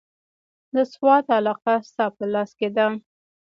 د سوات علاقه ستا په لاس کې ده.